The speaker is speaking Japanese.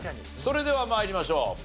それでは参りましょう。